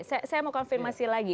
saya mau konfirmasi lagi